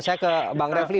saya ke bang refli